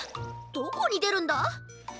どこにでるんだ？